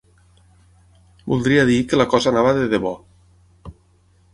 ...voldria dir que la cosa anava de debò